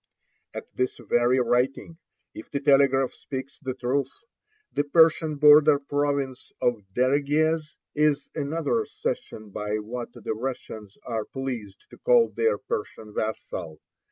At this very writing, if the telegraph speaks the truth, the Persian border province of Dereguez is another cession by what the Russians are pleased to call their Persian vassal.